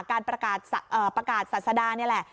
การประกาศศาสดานี่แหละ